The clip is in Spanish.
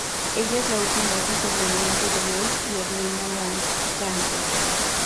Ella es la última hija sobreviviente de Louis y Edwina Mountbatten.